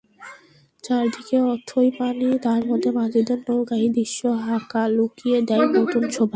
চারদিকে অথই পানি, তার মধ্যে মাঝিদের নৌকা—এই দৃশ্য হাকালুকিকে দেয় নতুন শোভা।